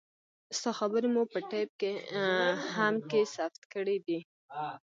ستا خبرې مو په ټېپ هم کښې ثبت کړې دي.